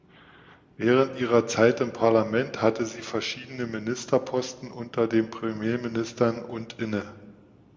Während ihrer Zeit im Parlament hatte sie verschiedene Ministerposten unter den Premierministern und inne.